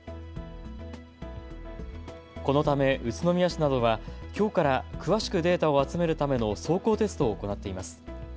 このため宇都宮市などはきょうから詳しくデータを集めるための走行テストを行っています。